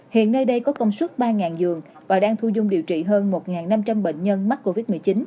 hiện nơi đây có công suất ba giường và đang thu dung điều trị hơn một năm trăm linh bệnh nhân mắc covid một mươi chín